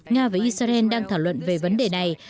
nga và israel đang thảo luận về vấn đề này